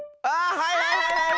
はいはいはい！